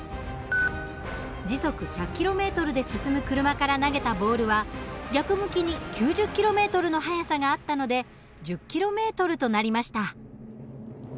時速１００ｋｍで進む車から投げたボールは逆向きに９０ｋｍの速さがあったので１０ｋｍとなりました。